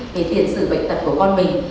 về tiện xử bệnh tật của con mình